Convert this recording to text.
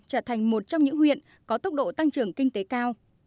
trở thành một trong những huyện có tốc độ tăng trưởng kinh tế cao